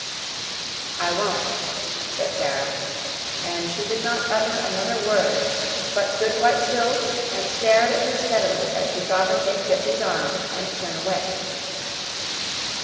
"I won't," said Sara, and she did not utter another word, but stood quite still, and stared at her steadily as she saw her take Jessie's arm and turn away.